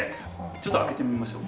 ちょっと開けてみましょう。